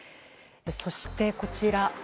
そして、こちら。